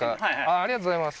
ありがとうございます